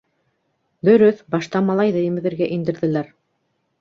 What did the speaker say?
Дөрөҫ, башта малайҙы имеҙергә индерҙеләр.